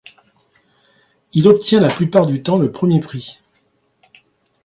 Il obtient la plupart du temps le premier prix.